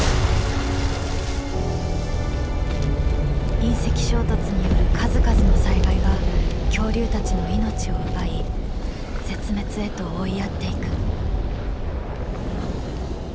隕石衝突による数々の災害が恐竜たちの命を奪い絶滅へと追いやっていく。